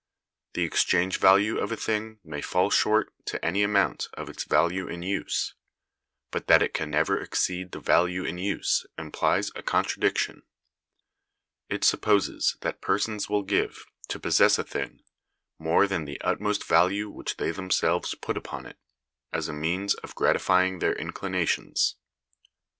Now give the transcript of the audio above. The exchange value of a thing may fall short, to any amount, of its value in use; but that it can ever exceed the value in use implies a contradiction; it supposes that persons will give, to possess a thing, more than the utmost value which they themselves put upon it, as a means of gratifying their inclinations.